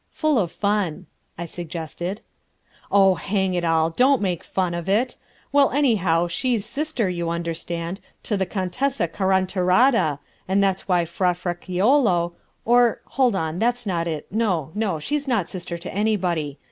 "Full of fun," I suggested. "Oh, hang it all, don't make fun of it! Well, anyhow, she's sister, you understand, to the Contessa Carantarata, and that's why Fra Fraliccolo, or ... hold on, that's not it, no, no, she's not sister to anybody.